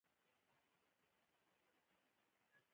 ژوند د بدلون له لارې ښکلی کېږي.